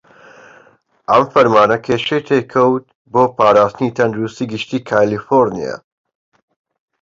ئەم فەرمانە کێشەی تێکەوت بۆ پاراستنی تەندروستی گشتی کالیفۆڕنیا.